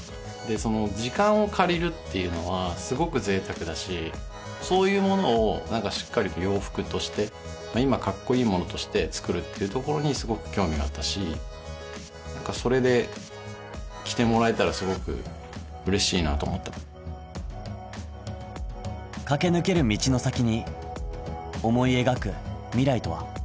その時間を借りるっていうのはすごく贅沢だしそういうものをなんかしっかりと洋服として今かっこいいものとして作るっていうところにすごく興味があったしなんかそれで着てもらえたらすごく嬉しいなと思って駆け抜ける道の先に思い描く未来とは？